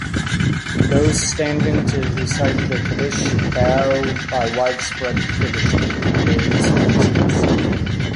Those standing to recite the Kaddish bow, by widespread tradition, at various places.